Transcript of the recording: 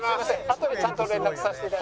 あとでちゃんと連絡させて頂きます。